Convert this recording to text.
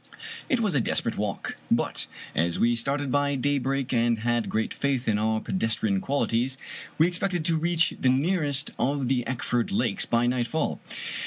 It was a desperate walk, but as we started by daybreak and had g^eat faitli in our pedestrian qualities, we expected to reach the nearest of the Eckford lakes by nightfall.